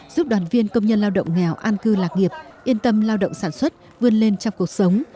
giúp đoàn viên công nhân lao động nghèo an cư lạc nghiệp yên tâm lao động sản xuất vươn lên trong cuộc sống